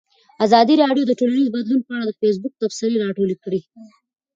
ازادي راډیو د ټولنیز بدلون په اړه د فیسبوک تبصرې راټولې کړي.